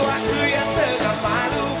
aku yang terlalu malu